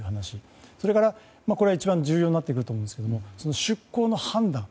それから、これは一番重要になってくると思いますが出航の判断。